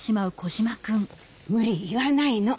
無理言わないの。